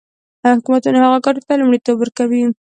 حکومتونه هغو ګټو ته لومړیتوب ورکوي.